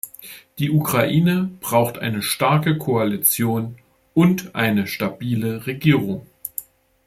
Die Ukraine braucht eine starke Koalition und eine stabile Regierung.